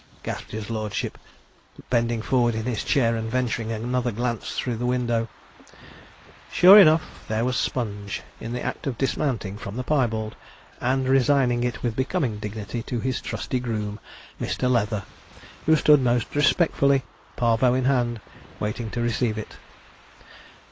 gasped his lordship, bending forward in his chair, and venturing another glance through the window. Sure enough, there was Sponge, in the act of dismounting from the piebald, and resigning it with becoming dignity to his trusty groom, Mr. Leather, who stood most respectfully Parvo in hand waiting to receive it.